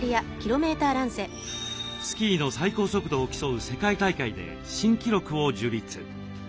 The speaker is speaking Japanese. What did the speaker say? スキーの最高速度を競う世界大会で新記録を樹立。